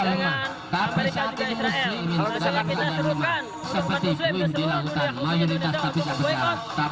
kualitasnya berantakan mari kita lihat ke kanan